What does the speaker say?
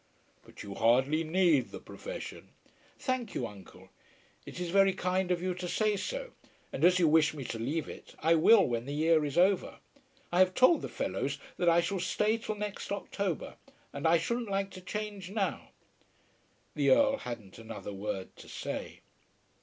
"But you hardly need the profession." "Thank you, uncle; it is very kind of you to say so. And as you wish me to leave it, I will when the year is over. I have told the fellows that I shall stay till next October, and I shouldn't like to change now." The Earl hadn't another word to say.